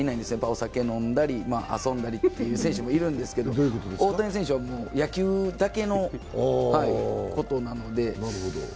お酒飲んだり、遊んだりという選手もいるんですけど大谷選手は野球だけのことなので。